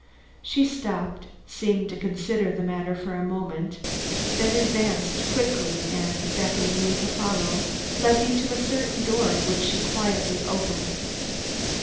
She stopped, seemed to consider the matter for a moment, then advanced quickly and, beckoning me to follow, led me to a certain door which she quietly opened.